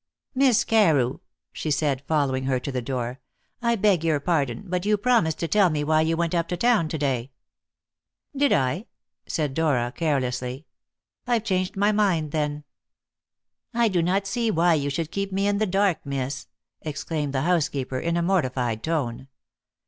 "Miss Carew," she said, following her to the door, "I beg your pardon, but you promised to tell me why you went up to town to day." "Did I?" said Dora carelessly. "I've changed my mind, then." "I do not see why you should keep me in the dark, miss," exclaimed the housekeeper, in a mortified tone.